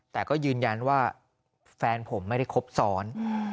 แต่ก็ยืนยันว่าแฟนผมไม่ได้ครบซ้อน